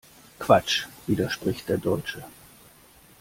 Quatsch!, widerspricht der Deutsche.